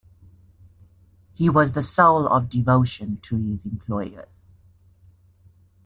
He was the soul of devotion to his employers.